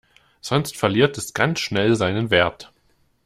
Sonst verliert es ganz schnell seinen Wert.